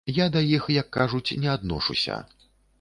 Я да іх, як кажуць, не адношуся.